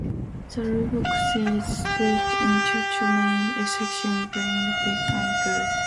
The rulebook is split into two main sections, Basic Rules and Advanced Rules.